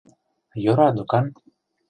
Йӧра докан.